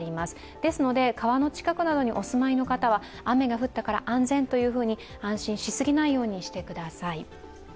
ですので川の近くなどにお住まいの方は雨がやんだから安全というふうに、安心しすぎないようにしてください。